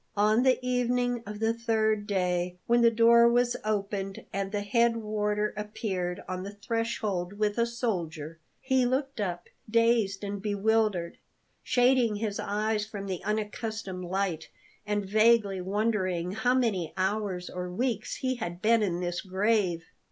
On the evening of the third day, when the door was opened and the head warder appeared on the threshold with a soldier, he looked up, dazed and bewildered, shading his eyes from the unaccustomed light, and vaguely wondering how many hours or weeks he had been in this grave.